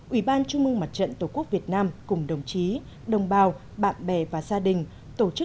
ủy ban trung ương mặt trận tổ quốc việt nam cùng đồng chí đồng bào bạn bè và gia đình